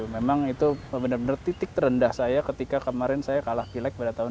memang itu benar benar titik terendah saya ketika kemarin saya kalah pilek pada tahun dua ribu